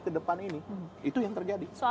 ke depan ini itu yang terjadi